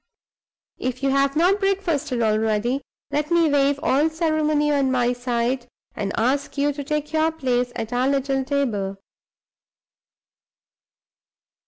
If you have not breakfasted already, let me waive all ceremony on my side, and ask you to take your place at our little table."